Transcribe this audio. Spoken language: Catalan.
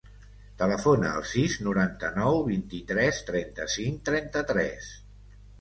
Telefona al sis, noranta-nou, vint-i-tres, trenta-cinc, trenta-tres.